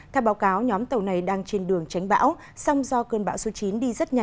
theo báo cáo nhóm tàu này đang trên đường tránh bão song do cơn bão số chín đi rất nhanh và mạnh đã dẫn đến bị nạn